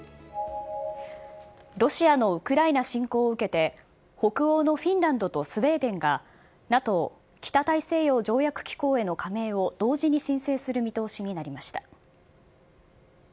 ロシアのウクライナ侵攻を受けて、北欧のフィンランドとスウェーデンが、ＮＡＴＯ・北大西洋条約機構への加盟を同時に申請する見通しになりました。